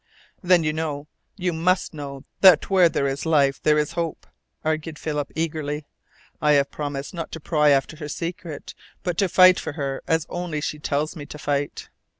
"Then you know you must know, that where there is life there is hope," argued Philip eagerly, "I have promised not to pry after her secret, to fight for her only as she tells me to fight.